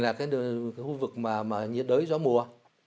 là cái khu vực mà nhiệt đới gió mùa